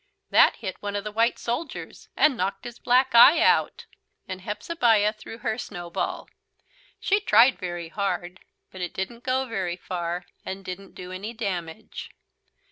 That hit one of the white soldiers and knocked his black eye out. And Hepzebiah threw her snowball. She tried very hard. But it didn't go very far and didn't do any damage.